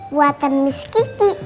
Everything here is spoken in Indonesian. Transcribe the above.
buatan miss kiki